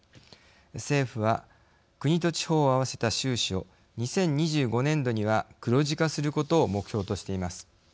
政府は国と地方を合わせた収支を２０２５年度には黒字化することを目標としています。